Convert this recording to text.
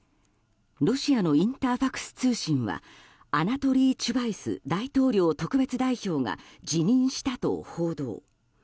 ロシアのインタファクス通信はアナトリー・チュバイス大統領特別代表が辞任したと報道。